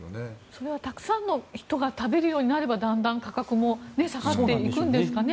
それはたくさんの人が食べるようになればだんだん価格も下がっていくんですかね。